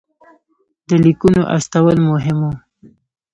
د لیکونو استول مهم وو.